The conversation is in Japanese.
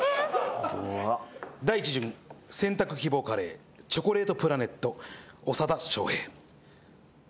第１巡選択希望カレーチョコレートプラネット長田庄平。